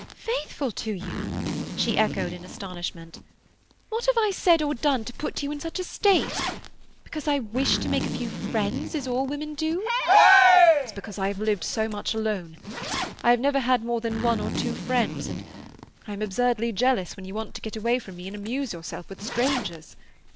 "Faithful to you?" she echoed in astonishment. "What have I said or done to put you in such a state? Because I wish to make a few friends as all women do—" "It's because I have lived so much alone. I have never had more than one or two friends, and I am absurdly jealous when you want to get away from me and amuse yourself with strangers.